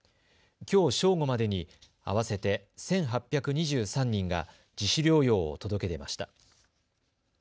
きょう正午までに合わせて１８２３人が自主療養を届け出ました。